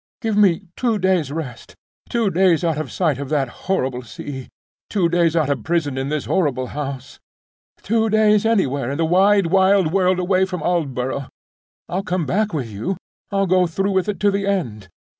Give me two days' rest—two days out of sight of that horrible sea—two days out of prison in this horrible house—two days anywhere in the wide world away from Aldborough. I'll come back with you! I'll go through with it to the end!